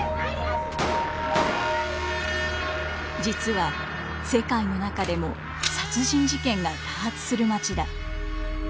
実は世界の中でも殺人事件が多発する街だ。